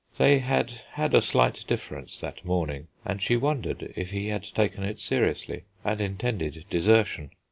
They had had a slight difference that morning, and she wondered if he had taken it seriously and intended desertion.